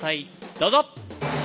どうぞ！